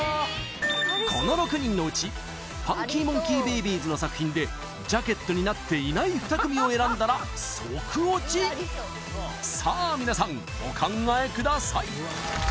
この６人のうちファンキーモンキーベイビーズの作品でジャケットになっていない２組を選んだらソクオチさあみなさんお考えください